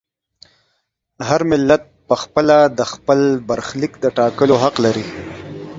هر ملت په خپله د خپل برخلیک د ټاکلو حق لري.